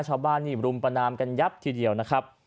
ชาวบ้านนี่รุมประนามกันยับทีเดียวนะครับ